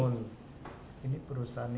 nama perusahaan bangun